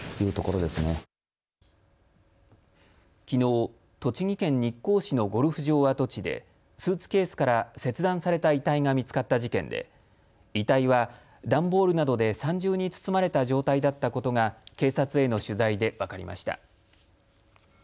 きのう、栃木県日光市のゴルフ場跡地でスーツケースから切断された遺体が見つかった事件で遺体は段ボールなどで３重に包まれた状態だったことが警察への取材で分かりました。